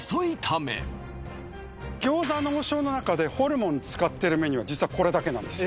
餃子の王将の中でホルモン使ってるメニューは実はこれだけなんですよ